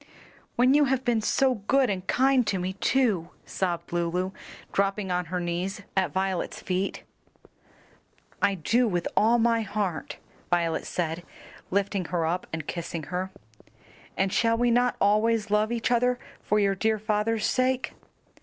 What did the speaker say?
when you have been so good and kind to me too," sobbed Lulu, dropping on her knees at Violet's feet. "I do with all my heart," Violet said, lifting her up and kissing her. "And shall we not always love each other for your dear father's sake?"